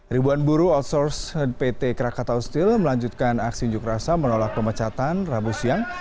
ribuan buruh outsource pt krakatau steel melanjutkan aksi unjuk rasa menolak pemecatan rabu siang